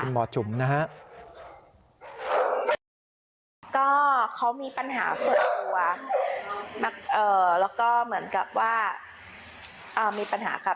คุณหมอจุ่มนะฮะ